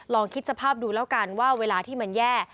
ลองคิดสภาพดูแล้วกันว่าเวลาที่มันแย่